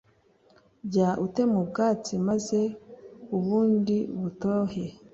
jya utema ubwatsi maze ubundi butohe